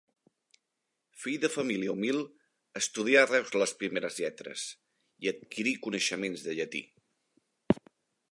Fill de família humil, estudià a Reus les primeres lletres i adquirí coneixements de llatí.